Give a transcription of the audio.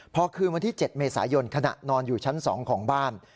พอคืนวันที่๗เมษายนขณะนอนอยู่ชั้น๒ของบ้าน